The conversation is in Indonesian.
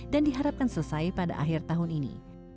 diharapkan selesai pada akhir tahun ini